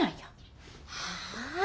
はあ？